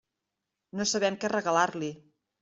No sabem què regalar-li.